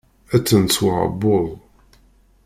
Attan s uƐebbuḍ.